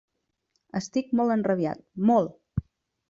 Estic molt enrabiat, molt!